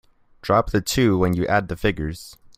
Drop the two when you add the figures.